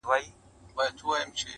سلامونه سهار مو ګلورین,